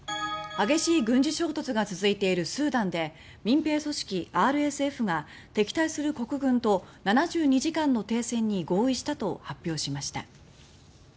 激しい軍事衝突が続いているスーダンで民兵組織ＲＳＦが敵対する国軍と７２時間の停戦に合意したと発表しました。